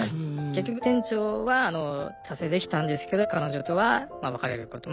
結局店長は達成できたんですけど彼女とは別れること。